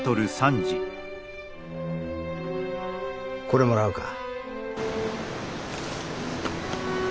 これもらおうか。